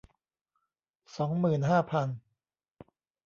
สองหมื่นห้าพัน